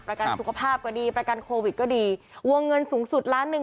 ประกันสุขภาพก็ดีประกันโควิดก็ดีวงเงินสูงสุดล้านหนึ่ง